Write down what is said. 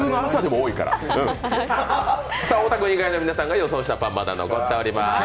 太田君以外の皆さんが予想したパン、まだ残っています。